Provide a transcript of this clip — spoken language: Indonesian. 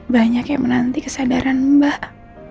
banyak yang menanti kesadaran mbak